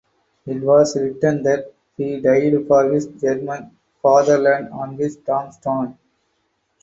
It was written that he died for his German fatherland on his tombstone.